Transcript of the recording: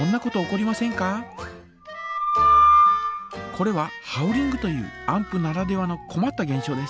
これはハウリングというアンプならではのこまったげん象です。